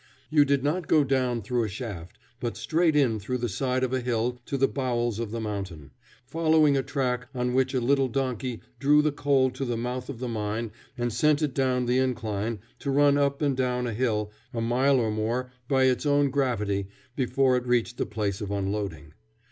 You did not go down through a shaft, but straight in through the side of a hill to the bowels of the mountain, following a track on which a little donkey drew the coal to the mouth of the mine and sent it down the incline to run up and down a hill a mile or more by its own gravity before it reached the place of unloading.